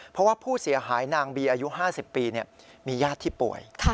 เพราะว่าผู้เสียหายนางบีอายุ๕๐ปีมีญาติที่ป่วย